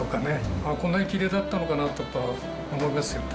ああ、こんなにきれいだったのかとか思いますよね。